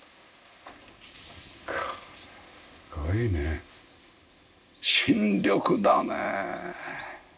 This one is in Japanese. これすごいね新緑だね。